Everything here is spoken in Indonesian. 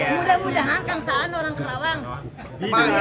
mudah mudahan kang saan orang kerawang